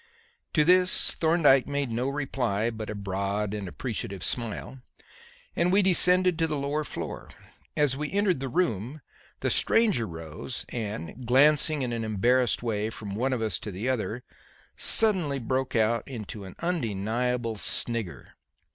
To this Thorndyke made no reply but a broad and appreciative smile, and we descended to the lower floor. As we entered the room, the stranger rose, and, glancing in an embarrassed way from one of us to the other, suddenly broke out into an undeniable snigger.